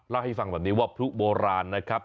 เล่าให้ฟังแบบนี้ว่าพลุโบราณนะครับ